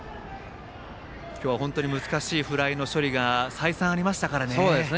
今日は難しいフライの処理が再三、ありましたからね。